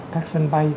các sân bay